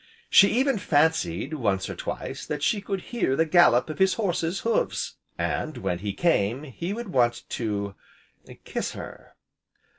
She even fancied, once or twice, that she could hear the gallop of his horse's hoofs. And, when he came, he would want to kiss her!